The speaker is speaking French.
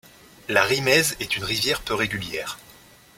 La Rimeize est une rivière peu régulière.